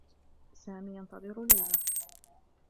سامي ينتظر ليلى.